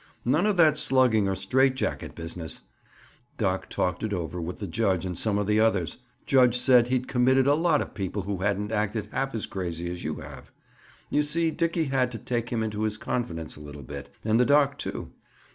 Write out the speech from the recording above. "None of that slugging or straight jacket business! Doc talked it over with the judge and some of the others. Judge said he'd committed a lot of people who hadn't acted half as crazy as you have. You see Dickie had to take him into his confidence a little bit and the Doc, too.